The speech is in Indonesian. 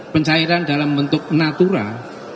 pencairan dalam bentuk natural